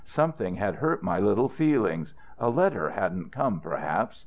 Something had hurt my little feelings; a letter hadn't come, perhaps.